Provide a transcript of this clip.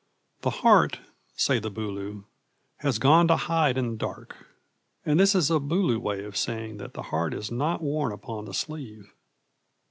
'The heart,' say the Bulu, 'has gone to hide in the dark.' And this is a Bulu way of saying that the heart is not worn upon the sleeve.